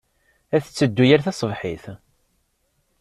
Ad tetteddu yal taṣebḥit.